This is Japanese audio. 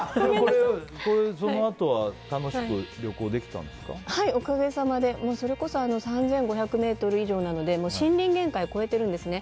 そのあとは楽しくおかげさまでそれこそ、３５００ｍ以上なので森林限界を超えてるんですね。